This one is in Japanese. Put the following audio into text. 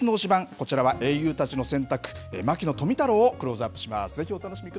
こちら、英雄たちの選択、牧野富太郎をクローズアップします。